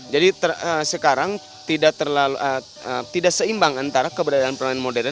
jadi sekarang tidak seimbang antara keberadaan permainan modern